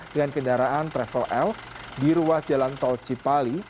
dengan kendaraan travel elf di ruas jalan tol cipali